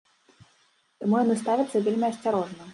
Таму яны ставяцца вельмі асцярожна.